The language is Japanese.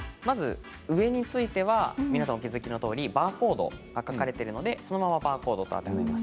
上については皆さんお気付きのとおりバーコードが描かれているのでそのままバーコードと当てはめます。